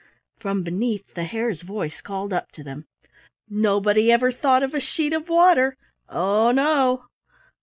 From beneath the Hare's voice called up to them, "Nobody ever thought of a sheet of water oh, no!"